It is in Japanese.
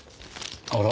あら？